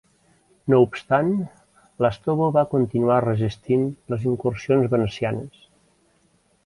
No obstant, Lastovo va continuar resistint les incursions venecianes.